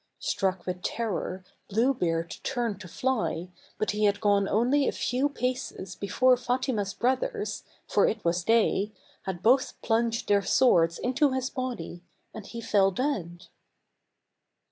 Struck with terror, Blue Beard turned to fly, but he had gone only a few paces before Fatima's brothers, for it was they, had both plunged their swords into his body, and he fell dead.